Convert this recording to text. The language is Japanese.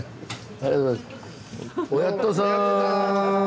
ありがとうございます。